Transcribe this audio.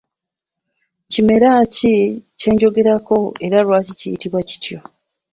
Kimera ki ky’enjogerako era lwaki kiyitibwa kityo?